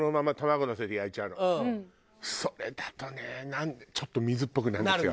それだとねなんかちょっと水っぽくなるんですよ。